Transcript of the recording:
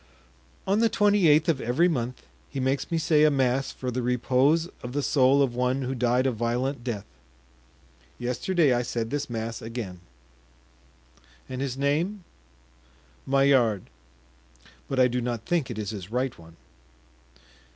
"On the twenty eighth of every month he makes me say a mass for the repose of the soul of one who died a violent death; yesterday I said this mass again." "And his name?" "Maillard; but I do not think it is his right one."